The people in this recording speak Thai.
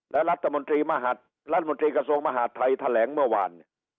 และรัฐมนตรีมหาดรัฐมนตรีกระทรวงมหาดไทยแถลงเมื่อวาน